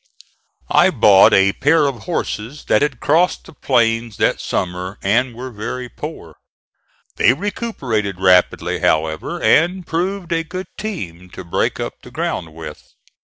I bought a pair of horses that had crossed the plains that summer and were very poor. They recuperated rapidly, however, and proved a good team to break up the ground with.